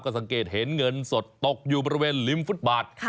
สังเกตเห็นเงินสดตกอยู่บริเวณริมฟุตบาท